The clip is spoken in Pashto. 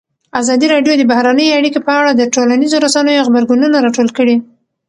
ازادي راډیو د بهرنۍ اړیکې په اړه د ټولنیزو رسنیو غبرګونونه راټول کړي.